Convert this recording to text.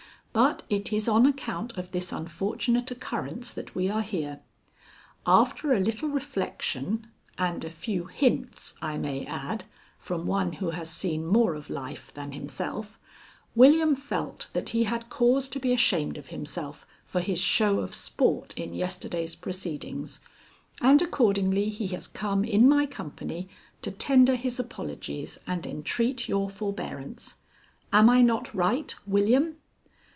But it is on account of this unfortunate occurrence that we are here. After a little reflection and a few hints, I may add, from one who has seen more of life than himself, William felt that he had cause to be ashamed of himself for his show of sport in yesterday's proceedings, and accordingly he has come in my company to tender his apologies and entreat your forbearance. Am I not right, William?"